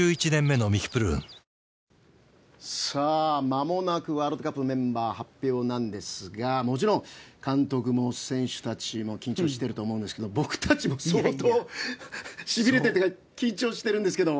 まもなくワールドカップのメンバー発表なんですがもちろん監督も選手たちも緊張していると思うんですが僕たちも相当しびれているというか緊張してるんですけど。